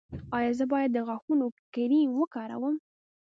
ایا زه باید د غاښونو کریم وکاروم؟